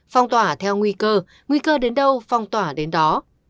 phong tỏa theo nguy cơ nguy cơ đến đâu phong tỏa đến đó